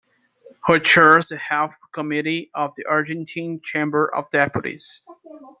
He chairs the Health Committee of the Argentine Chamber of Deputies.